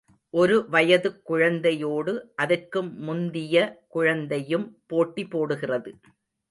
ஒரு வயதுக் குழந்தையோடு அதற்கும் முந்திய குழந்தையும் போட்டி போடுகிறது.